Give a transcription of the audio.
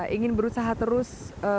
ingin berusaha terus